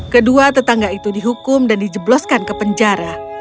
kedua tetangga itu dihukum dan dijebloskan ke penjara